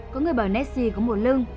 có người bảo nessie có một lưng